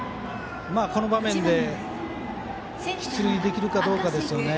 この場面で出塁できるかどうかですよね。